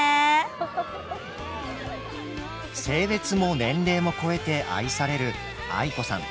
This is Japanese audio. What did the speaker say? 性別も年齢も超えて愛されるａｉｋｏさん。